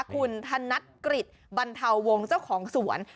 คุณธนัดกริจบรรเทาวงศ์เจ้าของสวน